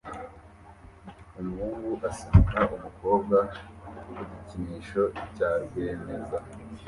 Umuhungu asunika umukobwa ku gikinisho cya RWAMEZA